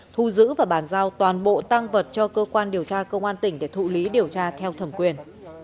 thu giữ và bàn giao toàn bộ tăng vật cho cơ quan điều tra công an tỉnh để thụ lý điều tra theo thẩm quyền